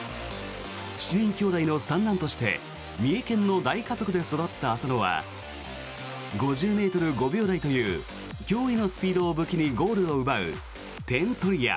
７人きょうだいの三男として三重県の大家族で育った浅野は５０ｍ５秒台という驚異のスピードを武器にゴールを奪う点取り屋。